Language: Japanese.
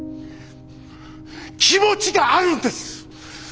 気持ちがあるんです！